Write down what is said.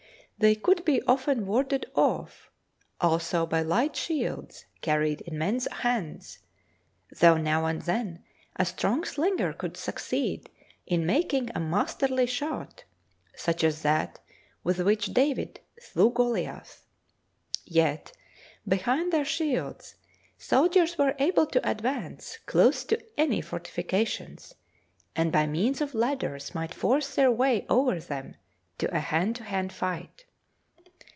They could be often warded off also by light shields carried in men's hands, though now and then a strong slinger could succeed in making a masterly shot, such as that with which David slew Goliath. Yet, behind their shields, soldiers were able to advance close to any fortifications, and by means of ladders might force their way over them to a hand to hand fight.